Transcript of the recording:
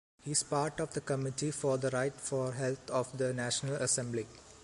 He’s part of the Committee for the Right for Health of the National Assembly.